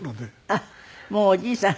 あっもうおじいさん？